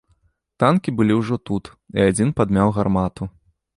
Танкі былі ўжо тут, і адзін падмяў гармату.